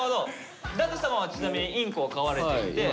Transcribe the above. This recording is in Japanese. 舘様はちなみにインコを飼われていて。